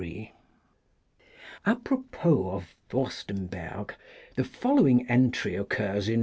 Apropos of Furstemberg the following entry occurs in M.